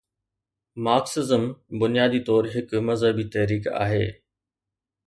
Marxism بنيادي طور هڪ مذهبي تحريڪ آهي.